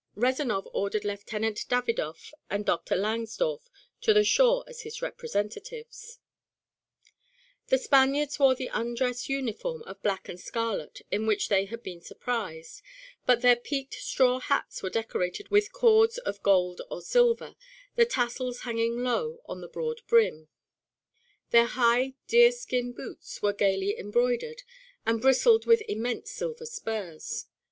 Rezanov ordered Lieutenant Davidov and Dr. Langsdorff to the shore as his representatives. The Spaniards wore the undress uniform of black and scarlet in which they had been surprised, but their peaked straw hats were decorated with cords of gold or silver, the tassels hanging low on the broad brim; their high deer skin boots were gaily embroidered, and bristled with immense silver spurs.